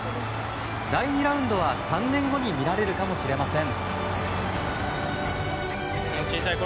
第２ラウンドは３年後に見られるかもしれません。